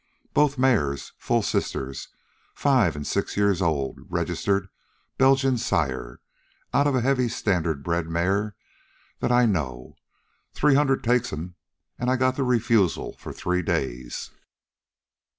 Both mares, full sisters, five an' six years old, registered Belgian sire, out of a heavy standard bred mare that I know. Three hundred takes 'em, an' I got the refusal for three days."